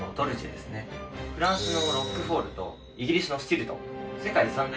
フランスのロックフォールとイギリスのスティルトン。